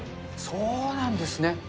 そうなんですね。